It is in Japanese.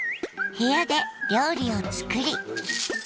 部屋で料理を作り。